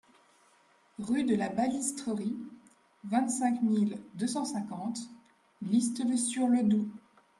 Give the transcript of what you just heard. Rue de la Balistrerie, vingt-cinq mille deux cent cinquante L'Isle-sur-le-Doubs